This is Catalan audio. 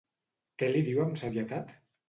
Què li diu amb serietat?